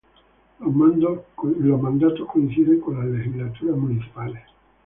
Los mandatos coinciden con las legislaturas municipales.